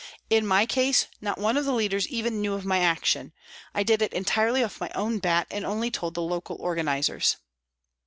In my case not one of the leaders even knew of my action. I did it entirely off my own bat and only told the local organisers."